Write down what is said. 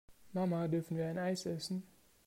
Mama, dürfen wir ein Eis essen?